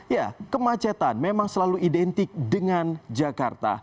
ya kemacetan memang selalu identik dengan jakarta